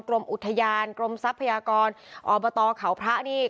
ตรวมอุทยาลตรวมทรัพยากรตรวมอบตเขาพระนี่